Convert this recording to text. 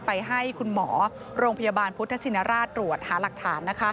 ไปให้คุณหมอโรงพยาบาลพุทธชินราชตรวจหาหลักฐาน